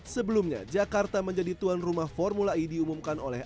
sebelumnya jakarta menjadi tuan rumah formula e diumumkan oleh